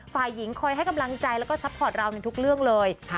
ฝ่ายหญิงคอยให้กำลังใจแล้วก็ซัพพอร์ตเราในทุกเรื่องเลย